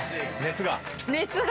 熱が？